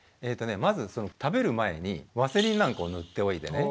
まず食べる前にワセリンなんかを塗っておいてね